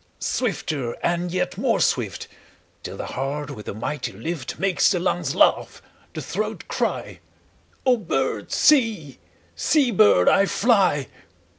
Swifter and yet more swift, 5 Till the heart with a mighty lift Makes the lungs laugh, the throat cry:— 'O bird, see; see, bird, I fly.